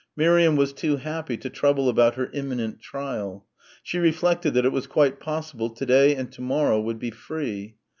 Miriam was too happy to trouble about her imminent trial. She reflected that it was quite possible to day and to morrow would be free.